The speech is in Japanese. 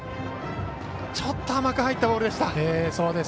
ちょっと甘く入ったボールでした。